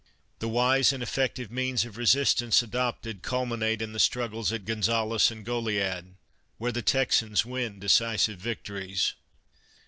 The wise and effective means of resistance adopted culminate in the struggles at Gonzales and Goliad, where the Texans win decisive victories.